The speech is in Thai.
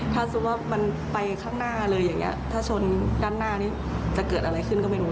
ถ้าสมมุติว่ามันไปข้างหน้าเลยอย่างนี้ถ้าชนด้านหน้านี้จะเกิดอะไรขึ้นก็ไม่รู้